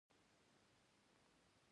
د شریف پوهنتون ډیر مشهور دی.